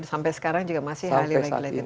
sampai sekarang juga masih harley regulated